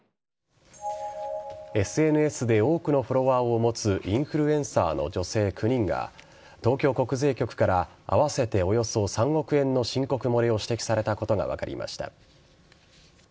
ＳＮＳで多くのフォロワーを持つインフルエンサーの女性９人が東京国税局から合わせておよそ３億円の申告漏れを指摘されたことが分かりました。